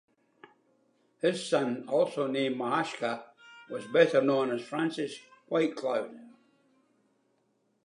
His son, also named Mahaska, was better known as Francis White Cloud.